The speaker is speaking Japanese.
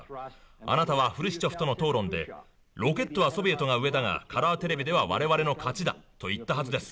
あなたはフルシチョフとの討論でロケットはソビエトが上だがカラーテレビでは我々の勝ちだと言ったはずです。